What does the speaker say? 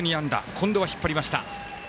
今度は引っ張りました。